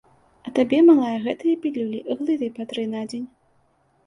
А табе, малая, гэтыя пілюлі, глытай па тры на дзень.